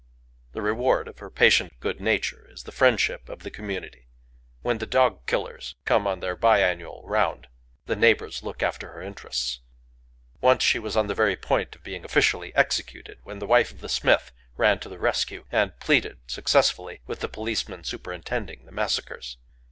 The reward of her patient good nature is the friendship of the community. When the dog killers come on their bi annual round, the neighbors look after her interests. Once she was on the very point of being officially executed when the wife of the smith ran to the rescue, and pleaded successfully with the policeman superintending the massacres.